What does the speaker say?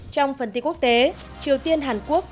trong phần tin quốc tế triều tiên hàn quốc